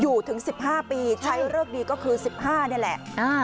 อยู่ถึง๑๕ปีใช้เลิกดีก็คือ๑๕นี่แหละ